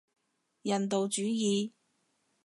人道主義